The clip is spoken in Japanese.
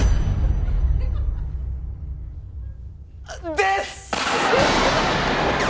です！